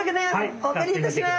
お借りいたします！